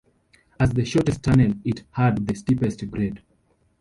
As the shortest tunnel it had the steepest grade.